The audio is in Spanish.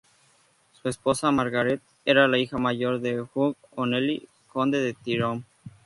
Su esposa Margaret, era la hija mayor de Hugh O'Neill, conde de Tyrone.